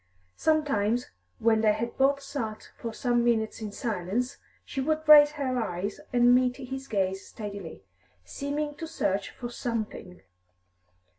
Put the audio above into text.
Sometimes, when they had both sat for some minutes in silence, she would raise her eyes and meet his gaze steadily, seeming to search for something.